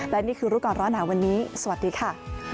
และนี่คือรู้ก่อนร้อนหนาวันนี้สวัสดีค่ะ